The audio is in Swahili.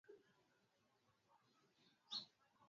Walinzi wa nyumbani walitambulika rasmi kama askari wa usalama